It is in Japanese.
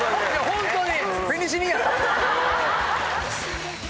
ホントに！